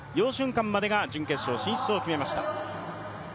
瀚までは準決勝進出を決めました。